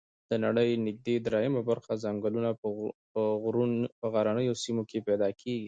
د نړۍ نږدي دریمه برخه ځنګلونه په غرنیو سیمو کې پیدا کیږي